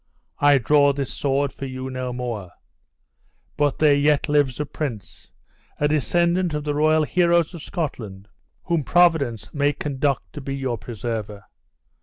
I draw this sword for you no more. But there yet lives a prince, a descendant of the royal heroes of Scotland, whom Providence may conduct to be your preserver.